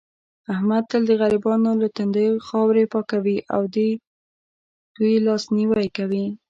احمد تل د غریبانو له تندیو خاورې پاکوي او دې دوی لاس نیوی کوي.